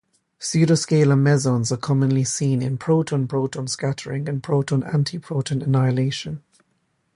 Pseudoscalar mesons are commonly seen in proton-proton scattering and proton-antiproton annihilation.